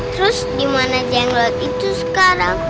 terus dimana jenglot itu sekarang